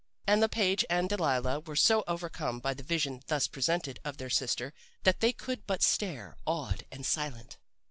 "And Le Page and Delilah were so overcome by the vision thus presented of their sister that they could but stare, awed and silent.